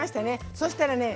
そしたらね